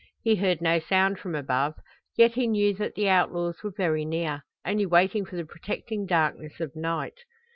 He heard no sound from above, yet he knew that the outlaws were very near only waiting for the protecting darkness of night.